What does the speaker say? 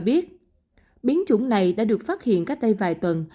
biết biến chủng này đã được phát hiện cách đây vài tuần